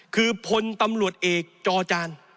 คือผลตำรวจเอกจจ